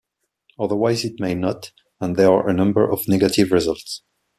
Otherwise it may not, and there are a number of negative results.